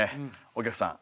お客さん